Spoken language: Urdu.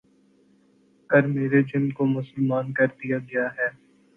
کہ میرے جن کو مسلمان کر دیا گیا ہے